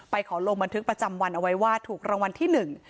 ขอลงบันทึกประจำวันเอาไว้ว่าถูกรางวัลที่หนึ่ง